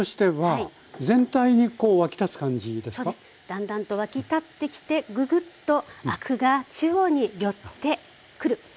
だんだんと沸き立ってきてググッとアクが中央に寄ってくる。